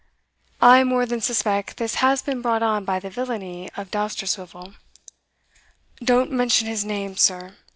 I more than suspect this has been brought on by the villany of Dousterswivel." "Don't mention his name, sir!"